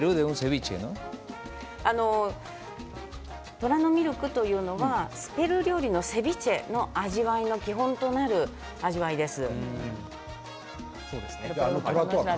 虎のミルクというのはペルー料理のセビチェの基本となる味わいです。